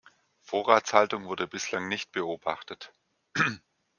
Vorratshaltung wurde bislang nicht beobachtet.